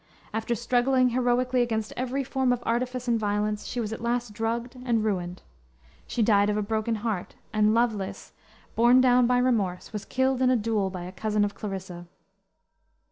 After struggling heroically against every form of artifice and violence, she was at last drugged and ruined. She died of a broken heart, and Lovelace, borne down by remorse, was killed in a duel by a cousin of Clarissa.